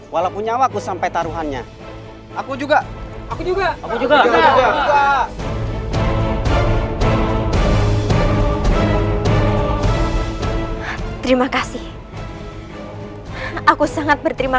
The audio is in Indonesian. walaupun nyawa aku sampai taruhannya aku juga aku juga aku juga enggak terima kasih aku sangat berterima